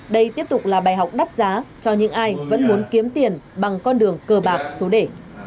đây tiếp tục là bài học đắt giá cho những ai vẫn muốn kiếm tiền bằng con đường cờ bạc số đề